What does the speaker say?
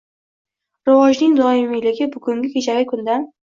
Rivojning doimiyligi bugunni kechagi kundan